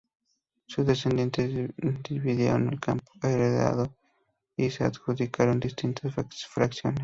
Sus descendientes dividieron el campo heredado y se adjudicaron distintas fracciones.